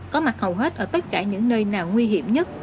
có mặt hầu hết ở tất cả những nơi nào nguy hiểm nhất